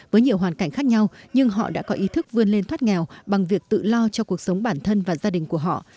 với nhiều hoàn cảnh khác nhau nhưng họ đã có ý thức vươn lên thoát nghèo bằng việc tự lo cho cuộc sống bản thân và gia đình của họ